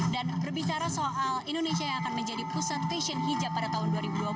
dan berbicara soal indonesia yang akan menjadi pusat fashion hijab pada tahun dua ribu dua puluh